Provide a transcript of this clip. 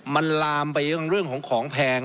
มันลามไปเรื่องของของแพง